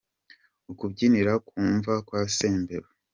Kubyinira ku mva kwa Sembeba